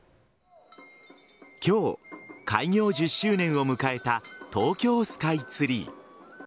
今日、開業１０周年を迎えた東京スカイツリー。